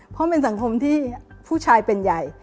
เพราะเป็นสังคมที่ผู้ชายเป็นใหญ่